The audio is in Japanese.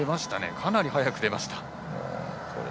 かなり早く出ました。